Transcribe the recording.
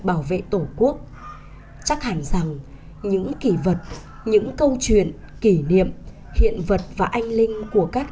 của tổ quốc chắc hẳn rằng những kỳ vật những câu chuyện kỷ niệm hiện vật và anh linh của các